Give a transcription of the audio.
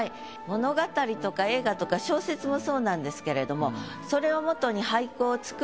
物語とか映画とか小説もそうなんですけれども。